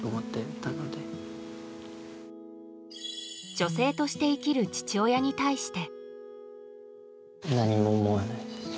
女性として生きる父親に対して。